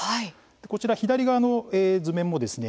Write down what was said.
こちら左側の図面もですね